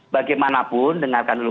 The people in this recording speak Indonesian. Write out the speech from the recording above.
bagaimanapun dengarkan dulu